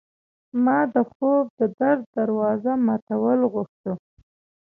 ما د خوب د در د دوازو ماتول غوښته